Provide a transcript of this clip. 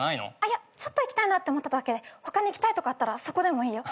いやちょっと行きたいなって思っただけで他に行きたいとこあったらそこでもいいよ。